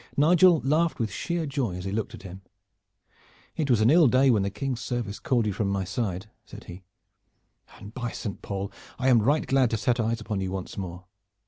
Nigel laughed with sheer joy as he looked at him. "It was an ill day when the King's service called you from my side," said he, "and by Saint Paul! I am right glad to set eyes upon you once more!